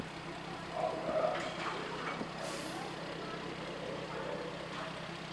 Abu parādību skriešanās arī kļuva par vienīgo gada olimpisko rekordu.